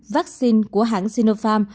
vaccine của hãng sinopharm